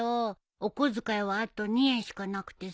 お小遣いはあと２円しかなくてさ。